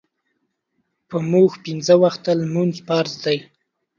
پۀ مونږ پينځۀ وخته مونځ فرض دے